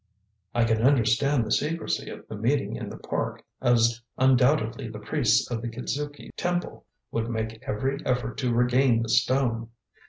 I can understand the secrecy of the meeting in the Park, as undoubtedly the priests of the Kitzuki Temple would make every effort to regain the stone.